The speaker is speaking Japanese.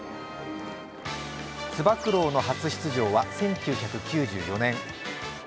つば九郎の初出場は１９９４年。